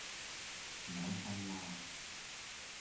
眼訓喇